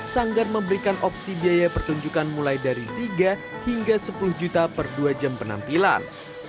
sanggar memberikan opsi biaya pertunjukan mulai dari tiga hingga sepuluh juta per dua jam penampilan